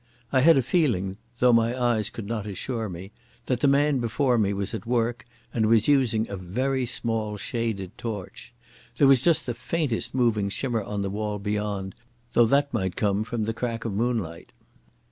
I had a feeling, though my eyes could not assure me, that the man before me was at work, and was using a very small shaded torch. There was just the faintest moving shimmer on the wall beyond, though that might come from the crack of moonlight.